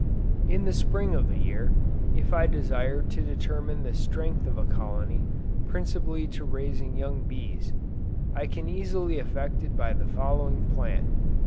In the Spring of the year, if I desire to determine the strength of a colony principally to raising young bees, I can easily effect it by the following plan.